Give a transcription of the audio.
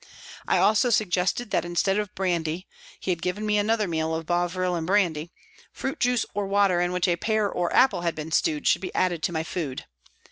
I also suggested that instead of brandy he had given me another meal of bovril and brandy fruit juice or the water in which a pear or apple had been stewed should be added to my food.